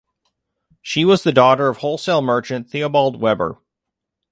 She was the daughter of wholesale merchant Theobald Weber.